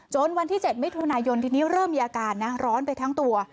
วันที่๗มิถุนายนทีนี้เริ่มมีอาการนะร้อนไปทั้งตัว